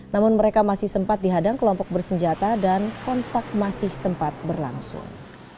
namun mereka masih sempat dihadang kelompok bersenjata dan kontak masih sempat berlangsung